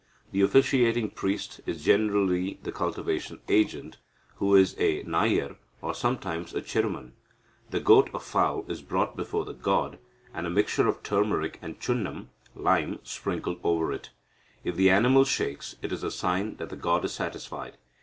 The officiating priest is generally the cultivation agent, who is a Nayar, or sometimes a Cheruman. The goat or fowl is brought before the god, and a mixture of turmeric and chunam (lime) sprinkled over it. If the animal shakes, it is a sign that the god is satisfied.